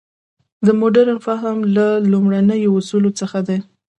د مډرن فهم له لومړنیو اصولو څخه دی.